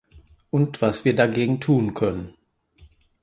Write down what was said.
Und was wir dagegen tun können.